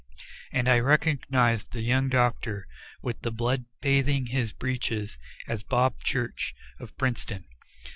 And I recognized the young doctor, with the blood bathing his breeches, as "Bob" Church, of Princeton.